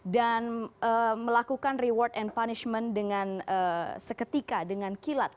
dan melakukan reward and punishment dengan seketika dengan kilat